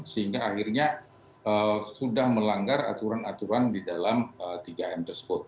sehingga akhirnya sudah melanggar aturan aturan di dalam tiga m tersebut